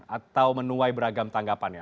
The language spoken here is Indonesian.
atau menuai beragam tanggapannya